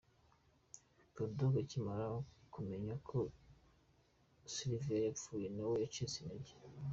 Bull Dogg akimara kumenya ko Sylvie yapfuye, nawe yacitse intege .